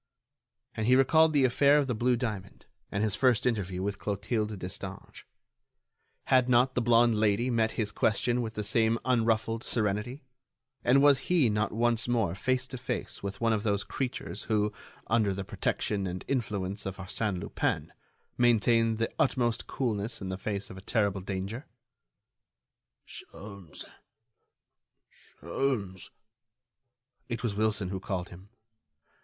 And he recalled the affair of the blue diamond and his first interview with Clotilde Destange. Had not the blonde Lady met his question with the same unruffled serenity, and was he not once more face to face with one of those creatures who, under the protection and influence of Arsène Lupin, maintain the utmost coolness in the face of a terrible danger? "Sholmes ... Sholmes...." It was Wilson who called him.